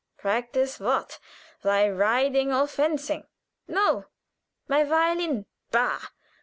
"Practice what? Thy riding or fencing?" "No; my violin." "Bah!